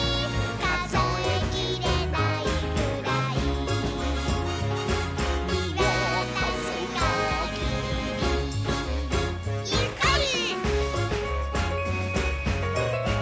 「かぞえきれないくらいみわたすかぎり」「にっこり」